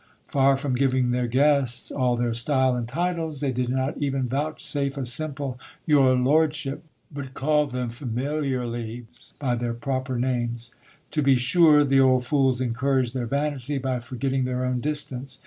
Far from giving their guests all their style and titles, they did not even vouchsafe a simple '' Your lordship, " but called them familiarly by their proper names. To be sure, the old fools encouraged their vanity by forgetting their own distance.